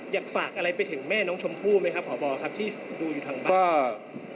อยากฝากอะไรไปถึงแม่น้องชมพู่ไหมครับพบครับที่ดูอยู่ทางบ้านอ่า